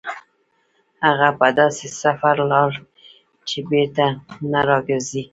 هغه په داسې سفر لاړ چې بېرته نه راګرځي.